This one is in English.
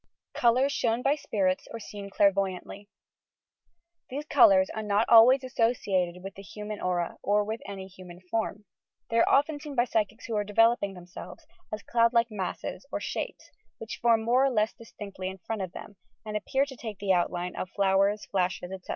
COLOURS SHOWN BY SPIRITS OR SEEN CLAmVOTANTLY These colours are not always associated with the hu man aura or with any human form. They are often seen by psychics who arc developing themselves as cloud like masses or shapes, which form more or less distinctly in front of them, and appear to take the outline of flowers, flashes, etc.